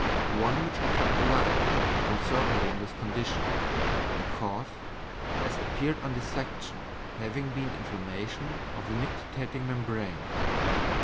One which I kept alive was certainly in this condition, the cause, as appeared on dissection, having been inflammation of the nictitating membrane.